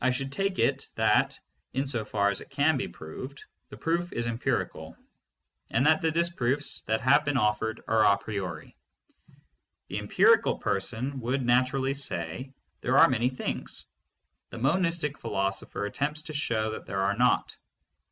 I should take it that, in so far as it can be proved, the proof is empirical, and that the disproofs that have been offered are a priori. The empirical person would naturally say, there are many things. The monistic philosopher attempts to show that there are not.